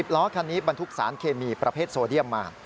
ล้อคันนี้บรรทุกสารเคมีประเภทโซเดียมมา